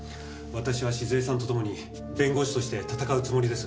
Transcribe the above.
私は静江さんと共に弁護士として闘うつもりです。